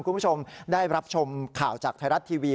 คุณผู้ชมได้รับชมข่าวจากไทยรัฐทีวี